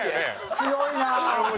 強いなあ。